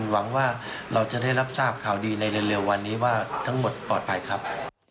หวังว่าเราจะได้รับทราบข่าวดีในเร็ววันนี้ว่าทั้งหมดปลอดภัยครับ